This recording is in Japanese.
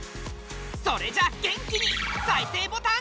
それじゃあ元気に再生ボタン。